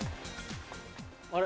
あれ？